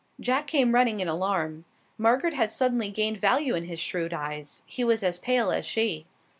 Jack came running in alarm. Margaret had suddenly gained value in his shrewd eyes. He was as pale as she.